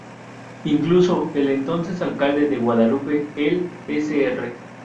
Incluso el entonces alcalde de Guadalupe el Sr.